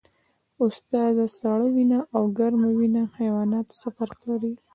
استاده سړه وینه او ګرمه وینه حیوانات څه فرق لري